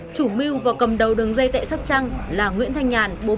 chủ mưu và cầm đầu đường dây tại sóc trăng là nguyễn thanh nhàn